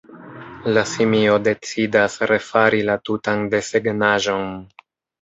La simio decidas refari la tutan desegnaĵon.